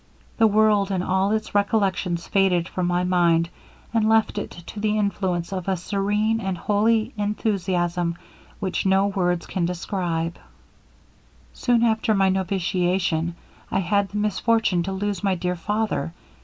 The world and all its recollections faded from my mind, and left it to the influence of a serene and, holy enthusiasm which no words can describe. 'Soon after my noviciation, I had the misfortune to lose my dear father.